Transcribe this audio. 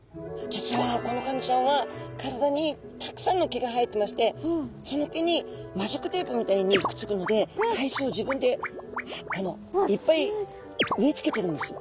実はこのカニちゃんは体にたくさんの毛が生えてましてその毛にマジックテープみたいにくっつくので海藻を自分でいっぱい植え付けてるんです。